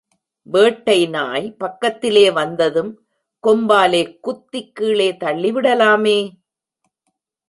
வேட்டை நாய் பக்கத்திலே வந்ததும், கொம்பாலே குத்திக் கீழே தள்ளி விடலாமே!